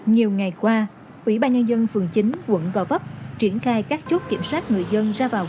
nhiều ngày qua quỹ ba nhân dân phường chín quận gò vấp triển khai các chốt kiểm soát người dân ra vào